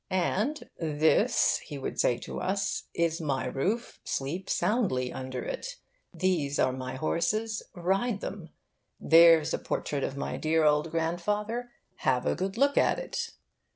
And 'This,' he would say to us, 'is my roof: sleep soundly under it. These are my horses: ride them. That's a portrait of my dear old grandfather: have a good look at it.